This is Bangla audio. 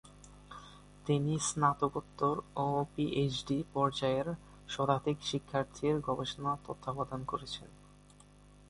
তিনি স্নাতকোত্তর ও পিএইচডি পর্যায়ের শতাধিক শিক্ষার্থীর গবেষণা তত্ত্বাবধান করেছেন।